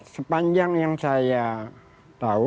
sepanjang yang saya tahu